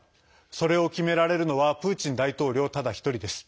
それを決められるのはプーチン大統領ただ１人です。